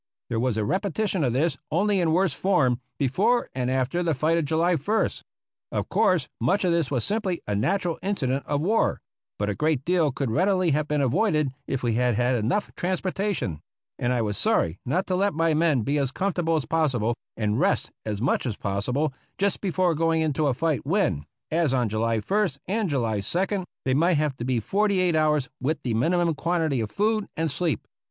There was a repetition of this, only in worse form, before and after the fight of July ist. Of course much of this was simply a natural incident of war, but a great deal could readily have been avoided if we had had enough transportation ; and I was sorry not to let my men be as comfortable as possible and rest as much as possible just before going into a fight when, as on July ist and 2d, they might have to be forty eight hours with the minimum quantity of food and sleep.